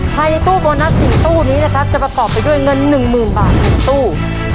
ภายในตู้โบนัส๔ตู้นี้นะครับจะประกอบไปด้วยเงิน๑๐๐๐บาท๑ตู้